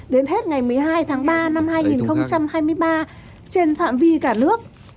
đến hết ngày một mươi hai tháng ba năm hai nghìn hai mươi ba trên phạm vi cả nước